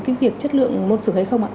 cái việc chất lượng môn sử hay không ạ